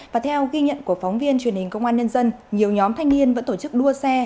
và theo ghi nhận của phóng viên truyền hình công an nhân dân nhiều nhóm thanh niên vẫn tổ chức đua xe